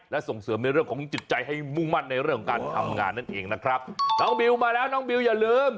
และส่งเสริมในเรื่องของจิตใจให้มุ่งมั่นในเรื่องของการทำงานนั่นเองนะครับน้องบิวมาแล้วน้องบิวอย่าลืม